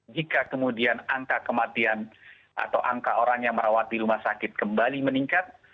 jika kemudian angka kematian atau angka orang yang merawat di rumah sakit kembali meningkat